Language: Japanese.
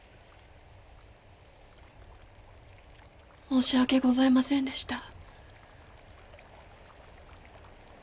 申し訳ございませんでした。